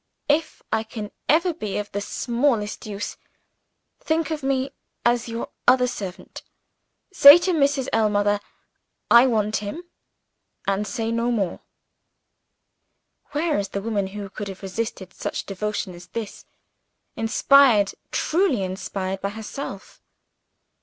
If I can ever be of the smallest use, think of me as your other servant. Say to Mrs. Ellmother, 'I want him' and say no more." Where is the woman who could have resisted such devotion as this inspired, truly inspired, by herself?